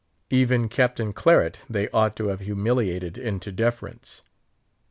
Even Captain Claret they ought to have humiliated into deference.